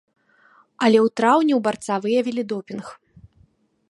Але ў траўні ў барца выявілі допінг.